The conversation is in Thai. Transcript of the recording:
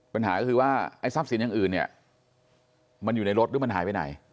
ปัญหาคือว่าสัตว์สินอย่างอื่นมันอยู่ในรถหรือมันหายไปไหน